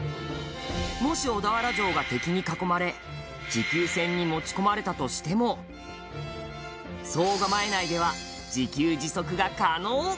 もし、小田原城が敵に囲まれ持久戦に持ち込まれたとしても総構内では自給自足が可能